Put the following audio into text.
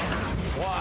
おい。